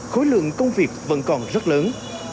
khối lượng công việc vẫn còn rất lớn